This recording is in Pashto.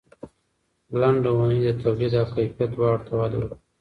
لنډه اونۍ د تولید او کیفیت دواړو ته وده ورکوي.